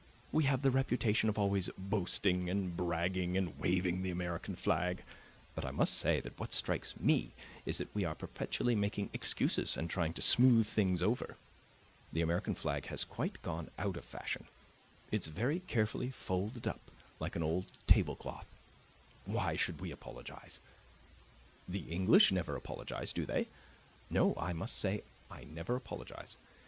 We have the reputation of always boasting and bragging and waving the American flag; but I must say that what strikes me is that we are perpetually making excuses and trying to smooth things over. The American flag has quite gone out of fashion; it's very carefully folded up, like an old tablecloth. Why should we apologize? The English never apologize do they? No; I must say I never apologize.